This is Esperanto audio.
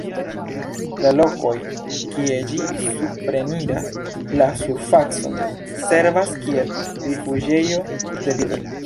La lokoj, kie ĝi supreniras la surfacon, servas kiel rifuĝejo de birdoj.